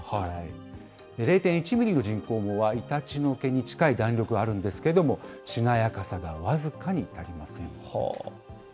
０．１ミリの人工毛はイタチの毛に近い弾力はあるんですけれども、しなやかさが僅かに足りません。